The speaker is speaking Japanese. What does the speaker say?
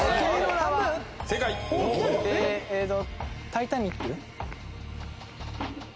『タイタニック』！